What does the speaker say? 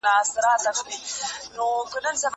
زه مخکي د کتابتون کتابونه لوستي وو!؟